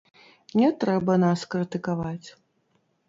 Не трэба нас крытыкаваць.